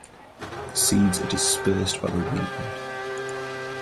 The seeds are dispersed by wind.